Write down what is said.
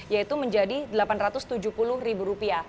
yaitu menjadi rp delapan ratus tujuh puluh